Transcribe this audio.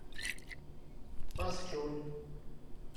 Passt schon!